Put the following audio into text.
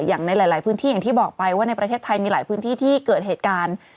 อย่างในหลายพื้นที่อย่างที่บอกไปว่าในประเทศไทยมีหลายพื้นที่ที่เกิดเหตุการณ์